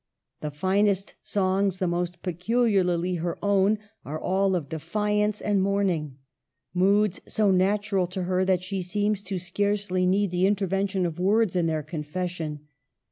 The finest songs, the most peculiarly her own, are all of defiance and mourning, moods so natu ral to her that she seems to scarcely need the intervention of words in their confession.